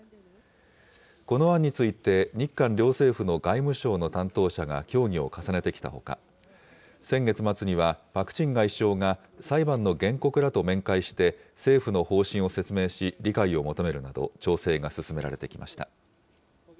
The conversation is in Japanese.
この案について、日韓両政府の外務省の担当者が協議を重ねてきたほか、先月末にはパク・チン外相が裁判の原告らと面会して、政府の方針を説明し、理解を求めるなど、調整が進められてきました。